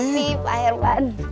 tapi pak herman